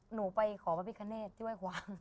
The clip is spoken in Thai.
หนูไปขอพระพิคเนธที่ไหว้ความ